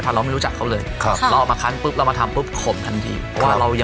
รวมถึงสายพรรด์ด้วย